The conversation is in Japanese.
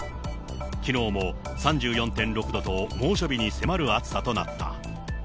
きのうも３６．４度と猛暑日に迫る暑さとなった。